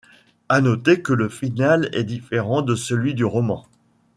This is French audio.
À noter que le final est différent de celui du roman.